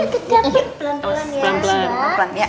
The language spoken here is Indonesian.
ayok ke kamar pelan pelan ya